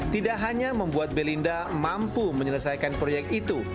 tidak hanya membuat belinda mampu menyelesaikan proyek itu